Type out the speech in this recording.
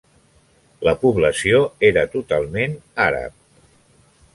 La població era totalment àrab.